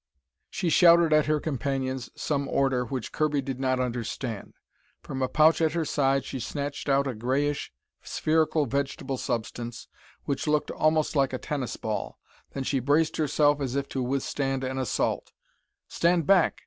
She shouted at her companions some order which Kirby did not understand. From a pouch at her side, she snatched out a greyish, spherical vegetable substance which looked almost like a tennis ball. Then she braced herself as if to withstand an assault. "Stand back!"